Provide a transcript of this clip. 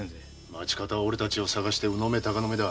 町方は俺たちを捜して鵜の目鷹の目だ。